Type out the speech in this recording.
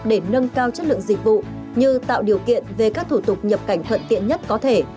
để nâng cao chất lượng dịch vụ như tạo điều kiện về các thủ tục nhập cảnh thuận tiện nhất có thể